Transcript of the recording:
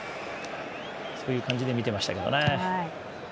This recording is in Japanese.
そういう感じで見てましたけどね。